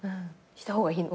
した方がいいの？